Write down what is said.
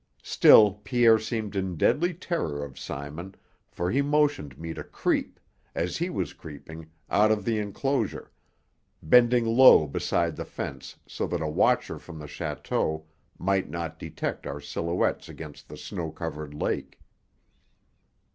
Still Pierre seemed in deadly terror of Simon, for he motioned me to creep, as he was creeping, out of the enclosure, bending low beside the fence, so that a watcher from the château might not detect our silhouettes against the snow covered lake.